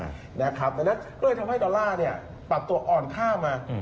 ดังนั้นก็เลยทำให้ดอลลาร์ปรับตัวอ่อนค่ามา